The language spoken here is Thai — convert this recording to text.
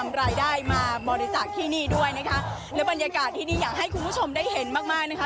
รายได้มาบริจาคที่นี่ด้วยนะคะและบรรยากาศที่นี่อยากให้คุณผู้ชมได้เห็นมากมากนะคะ